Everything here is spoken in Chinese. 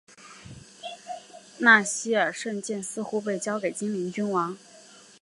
纳希尔圣剑似乎被交给精灵君王。